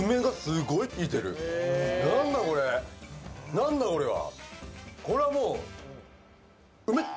何だこれは。